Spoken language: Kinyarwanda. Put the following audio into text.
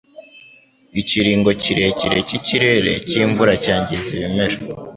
Ikiringo kirekire cyikirere cyimvura cyangiza ibimera.